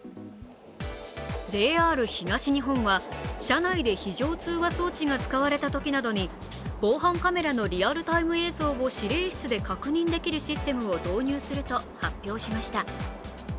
ＪＲ東日本は車内で非常通話装置が使われたときなどに防犯カメラのリアルタイム映像を指令室で確認できるシステムを導入すると発表しました